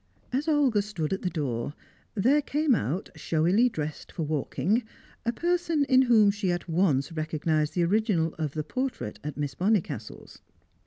As Olga stood at the door, there came out, showily dressed for walking, a person in whom she at once recognised the original of the portrait at Miss Bonnicastle's.